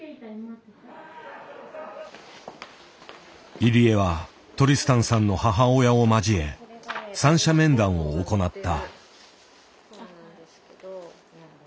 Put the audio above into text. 入江はトリスタンさんの母親を交え三者面談を行った。